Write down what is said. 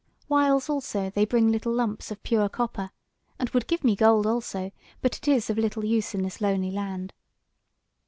Whiles, also, they bring little lumps of pure copper, and would give me gold also, but it is of little use in this lonely land.